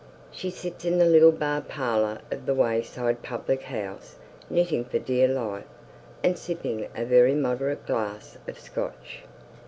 She sits in the little bar parlour of the wayside public house, knitting for dear life, and sipping a very moderate glass of Scotch.